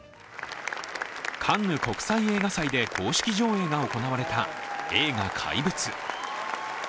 カンヌ国際映画祭で公式上映が行われた映画「怪物」。